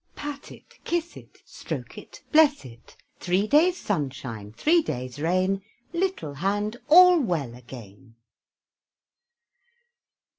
Pat it, kiss it, Stroke it, bless it; Three days' sunshine, three days' rain, Little hand all well again.